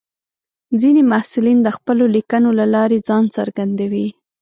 ځینې محصلین د خپلو لیکنو له لارې ځان څرګندوي.